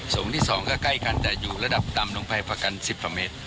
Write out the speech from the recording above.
สูงที่๒ก็ใกล้กันแต่อยู่ระดับต่ำลงไปประกัน๑๐กว่าเมตร